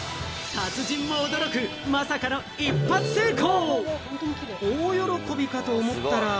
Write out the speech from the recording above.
達人も驚く、まさかの一発成功！